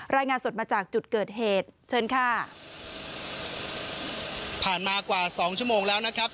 รายงานสดมาจากจุดเกิดเหตุเชิญค่ะผ่านมากว่าสองชั่วโมงแล้วนะครับ